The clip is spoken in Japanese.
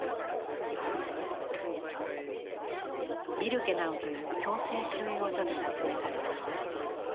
ビルケナウという強制収容所で撮影されました。